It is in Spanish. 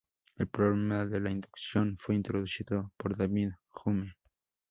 El problema de la inducción fue introducido por David Hume.